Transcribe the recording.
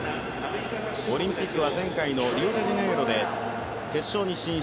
オリンピックは前回のリオデジャネイロで決勝に進出。